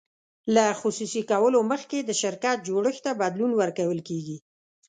له خصوصي کولو مخکې د شرکت جوړښت ته بدلون ورکول کیږي.